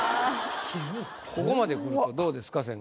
ここまでくるとどうですか？